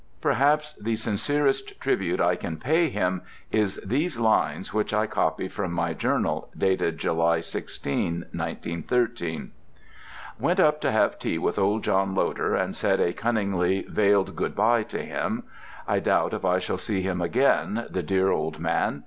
Perhaps the sincerest tribute I can pay him is these lines which I copy from my journal, dated July 16, 1913: "Went up to have tea with old John Loder, and said a cunningly veiled Good bye to him. I doubt if I shall see him again, the dear old man.